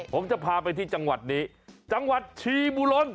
ผมจะพาไปที่จังหวัดนี้จังหวัดชีบุรน